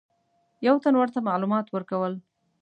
یو تن ورته معلومات ورکول.